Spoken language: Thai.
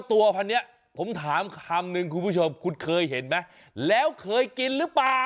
ตัวพันนี้ผมถามคำนึงคุณผู้ชมคุณเคยเห็นไหมแล้วเคยกินหรือเปล่า